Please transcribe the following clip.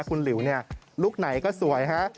คุณหลิวเนี่ยลุคไหนก็สวยฮะ